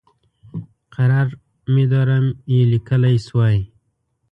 قرار میدارم یې لیکلی شوای.